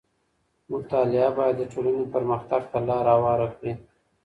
مطالعه بايد د ټولنې پرمختګ ته لار هواره کړي.